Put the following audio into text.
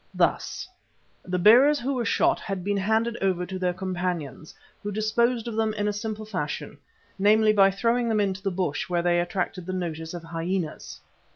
Thus, the bearers who were shot had been handed over to their companions, who disposed of them in a simple fashion, namely by throwing them into the bush where they attracted the notice of hyenas.